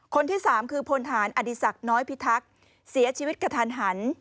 คนที่สามคือพลฐานอดีศักดิ์น้อยพิทักษ์เสียชีวิตกระทันหัน